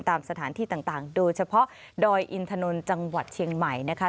ตามสถานที่ต่างโดยเฉพาะดอยอินทนนท์จังหวัดเชียงใหม่นะคะ